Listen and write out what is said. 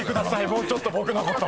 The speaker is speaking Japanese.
もうちょっと僕のこと。